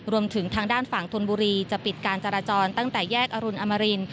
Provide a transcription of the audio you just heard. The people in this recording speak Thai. รวมถึงทางด้านฝั่งธนบุรีจะปิดการจราจรตั้งแต่แยกอรุณอมริน